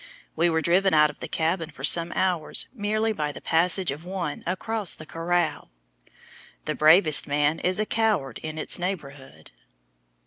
We were driven out of the cabin for some hours merely by the passage of one across the corral. The bravest man is a coward in its neighborhood.